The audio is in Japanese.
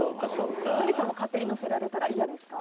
都仁さんも勝手に載せられたら嫌ですか？